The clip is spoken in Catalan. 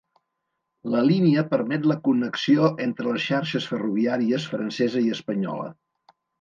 La línia permet la connexió entre les xarxes ferroviàries francesa i espanyola.